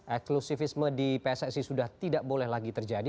ekslusifisme di pesesi sudah tidak boleh lagi terjadi